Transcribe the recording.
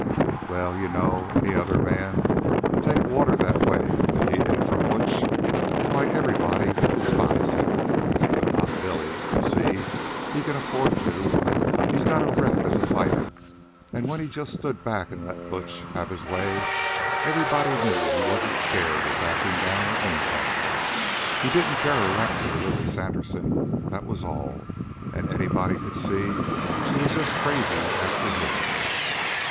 "Well, you know, any other man to take water the way he did from Butch why, everybody'd despise him. But not Billy. You see, he can afford to. He's got a rep as a fighter, an' when he just stood back 'an' let Butch have his way, everybody knew he wasn't scared, or backin' down, or anything. He didn't care a rap for Lily Sanderson, that was all, an' anybody could see she was just crazy after him."